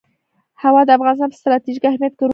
هوا د افغانستان په ستراتیژیک اهمیت کې رول لري.